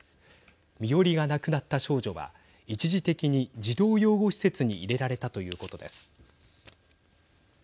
身寄りがなくなった少女は一時的に児童養護施設に入れられたということです。